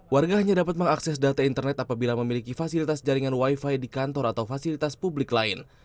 warga hanya dapat mengakses data internet apabila memiliki fasilitas jaringan wifi di kantor atau fasilitas publik lain